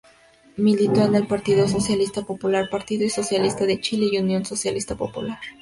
Militó en el Partido Socialista Popular, Partido Socialista de Chile y Unión Socialista Popular.